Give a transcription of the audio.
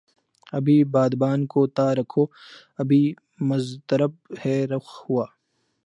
ابھی بادبان کو تہ رکھو ابھی مضطرب ہے رخ ہوا